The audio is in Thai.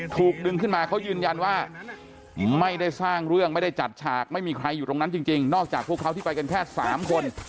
ถูกดึงขึ้นมาเขายืนยันว่าไม่ได้สร้างเรื่องไม่ได้จัดฉากไม่มีใครอยู่ตรงนั้นจริงนอกจากพวกเขาที่ไปกันแค่๓คน